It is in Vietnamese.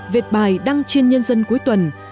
vệt bài đăng trên nhân dân cuối tuần